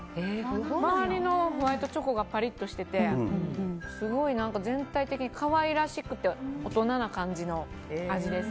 周りのホワイトチョコがパリッとしててすごい全体的に可愛らしくて大人な感じの味です。